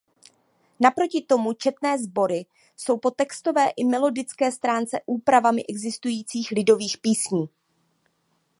Naproti tomu četné sbory jsou po textové i melodické stránce úpravami existujících lidových písní.